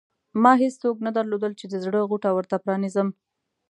ما هېڅوک نه درلودل چې د زړه غوټه ورته پرانېزم.